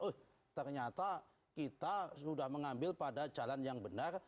oh ternyata kita sudah mengambil pada jalan yang benar